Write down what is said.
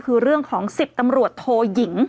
คือเรื่องของ๑๐ตำรวจโทยิง